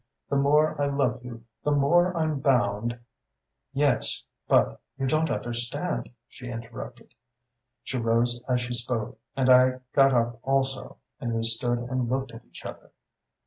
The more I love you the more I'm bound ' "'Yes; but you don't understand,' she interrupted. "She rose as she spoke, and I got up also, and we stood and looked at each other.